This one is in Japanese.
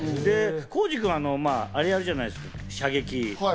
浩次君、あれやるじゃないですか、射撃。